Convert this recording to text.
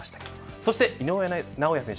そして井上尚弥選手